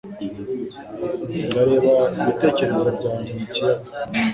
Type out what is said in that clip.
Ndareba ibitekerezo byanjye mu kiyaga.